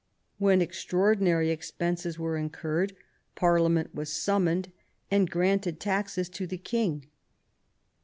When extraordinary expenses were in curred Parliament was summoned, and granted taxes to the king.